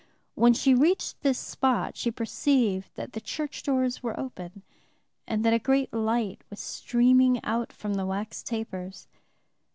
When she reached this spot she perceived that the church doors were open, and that a great light was streaming out from the wax tapers.